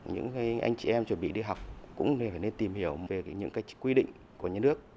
những anh chị em chuẩn bị đi học cũng nên tìm hiểu về những quy định của nhân ước